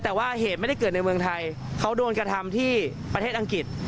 แต่ว่าเหตุไม่ได้เกิดในเมืองไทยเขาโดนกระทำที่ประเทศอังกฤษ